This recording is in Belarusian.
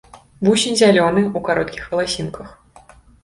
Вусень зялёны, у кароткіх валасінках.